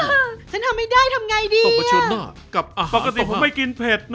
นี้อยู่แล้วเออเยอะฉันทำไม่ได้ทำไงดี